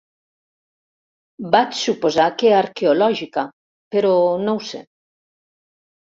Vaig suposar que arqueològica, però no ho sé.